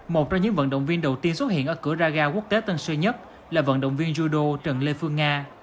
một trong những vận động viên đầu tiên xuất hiện ở cửa ra ga quốc tế tân sơn nhất là vận động viên judo trần lê phương nga